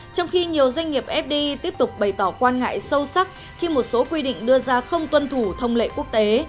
trong khi nhiều doanh nghiệp fdi tiếp tục bày tỏ quan ngại sâu sắc khi một số quy định đưa ra không tuân thủ thông lệ quốc tế